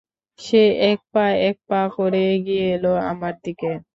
সে এক পা এক পা করে এগিয়ে এল আমার দিকে।